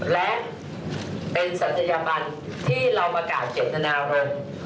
และเป็นศัตรยาบันที่เราประกาศเจ็บตนาลง